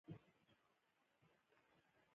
پوهنه مو له بدبختیو ژغوری